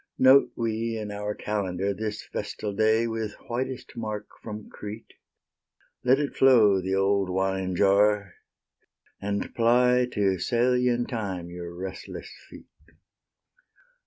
Note we in our calendar This festal day with whitest mark from Crete: Let it flow, the old wine jar, And ply to Salian time your restless feet.